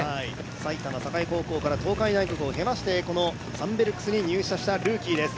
埼玉栄高校から東海大学を経てサンベルクスに入社したルーキーです。